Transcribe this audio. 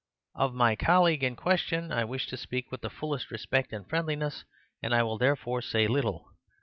"Of my colleague in question I wish to speak with the fullest respect and friendliness, and I will therefore say little.